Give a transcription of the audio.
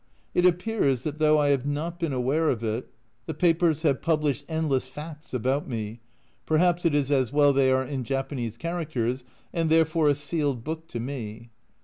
It appears, that though I have not been aware of it, the papers have published endless "facts" about me perhaps it is as well they are in Japanese characters and therefore a sealed book to me.